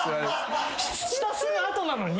したすぐ後なのに？